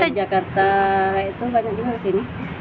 jakarta itu banyak juga di sini